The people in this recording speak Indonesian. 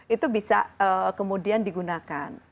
itu bisa kemudian digunakan